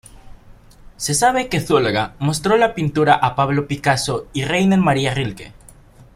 Se sabe que Zuloaga mostró la pintura a Pablo Picasso y Rainer Maria Rilke.